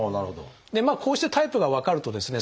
こうしてタイプが分かるとですね